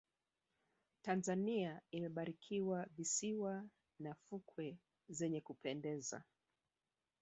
tanzania imebarikiwa visiwa na fukwe zenye kupendeza